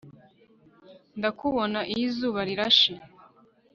ndakubona iyo izuba rirashe